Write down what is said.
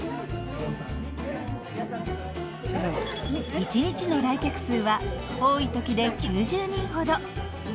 一日の来客数は多い時で９０人ほど。